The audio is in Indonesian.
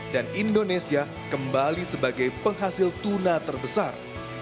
dan indonesia kembali sebagai penghasil tuna terbesar